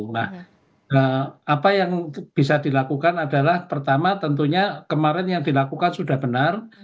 nah apa yang bisa dilakukan adalah pertama tentunya kemarin yang dilakukan sudah benar